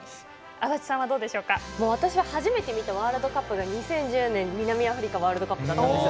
私は初めて見たワールドカップが２０１０年の南アフリカワールドカップで。